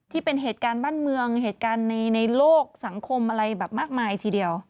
ที่เป็นเหตุการณ์บ้านเมืองเหตุการณ์ในโลกสังคมอะไรแบบมากมายทีเดียว